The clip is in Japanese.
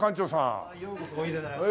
ようこそおいでになられました。